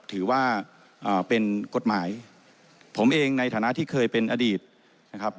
ถือว่าเป็นกฎหมายผมเองในฐานะที่เคยเป็นอดีตนะครับ